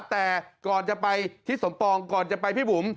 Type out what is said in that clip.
แต่ก่อนจะไปที่สมปองก่อนจะไปพี่บุ๋ม